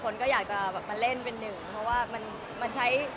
คนก็อยากจะแบบมาเล่นเป็นหนึ่งเพราะว่ามันมันใช้